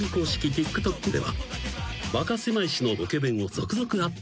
ＴｉｋＴｏｋでは『バカせまい史』のロケ弁を続々アップ。